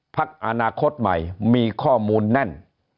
พักอนาคตใหม่มีข้อมูลแน่น